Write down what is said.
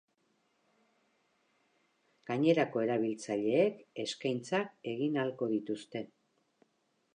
Gainerako erabiltzaileek eskaintzak egin ahalko dituzte.